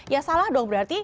ya salah dong berarti